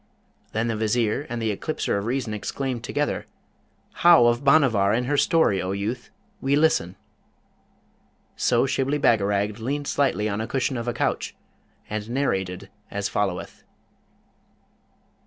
Then the Vizier and the Eclipser of Reason exclaimed together, 'How of Bhanavar and her story, O youth? We listen!' So Shibli Bagarag leaned slightly on a cushion of a couch, and narrated as followeth.